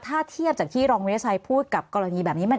ถ้าเทียบจากที่รองวิทยาชัยพูดกับกรณีแบบนี้